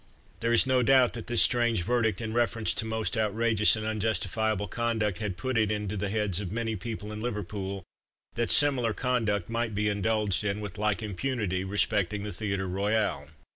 There is no doubt that this strange verdict in reference to most outrageous and unjustifiable conduct had put it into the heads of many people in Liverpool that similar conduct might be indulged in, with like impunity, respecting the Theatre Royal.